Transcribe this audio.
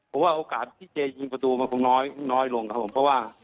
ผมว่าโอกาสที่เจยิงประตูมันคงน้อยลงครับผมเพราะว่า